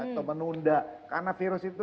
atau menunda karena virus itu